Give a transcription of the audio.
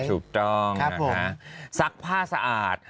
จูบจ้องนะครับซักผ้าสะอาด